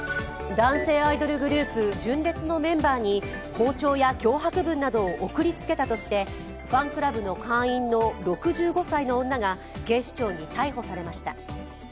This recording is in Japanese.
男性アイドルグループ、純烈のメンバーに包丁や脅迫文を送りつけたとしてファンクラブの会員の６５歳の女が警視庁に逮捕されました。